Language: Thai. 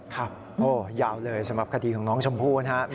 ครับโอ้ยาวเลยสำหรับคดีของน้องชมพู่นะครับ